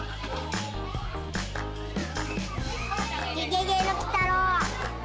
ゲゲゲのきたろう。